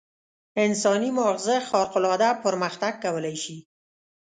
انساني ماغزه خارق العاده پرمختګ کولای شي.